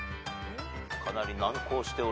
かなり難航しております。